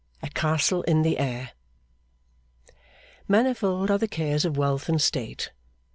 A Castle in the Air Manifold are the cares of wealth and state.